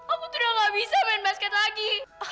aku tuh udah gak bisa main basket lagi